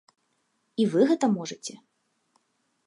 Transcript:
І вы гэта можаце.